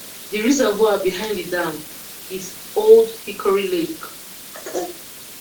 The reservoir behind the dam is Old Hickory Lake.